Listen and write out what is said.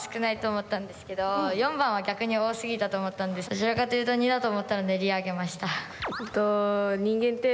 どちらかというと②だとおもったので②をあげました。